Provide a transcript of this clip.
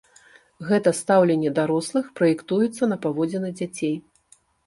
Гэта стаўленне дарослых праектуецца на паводзіны дзяцей.